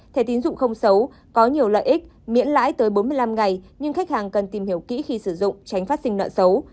thẻ tín dụng không xấu có nhiều lợi ích miễn lãi tới bốn mươi năm ngày nhưng khách hàng cần tìm hiểu kỹ khi sử dụng tránh phát sinh nợ xấu